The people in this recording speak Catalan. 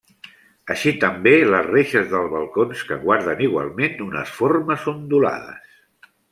Així també les reixes dels balcons que guarden igualment unes formes ondulades.